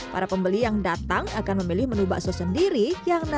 para pembeli yang datang akan memilih menu bakso ini yang unik dan yang enak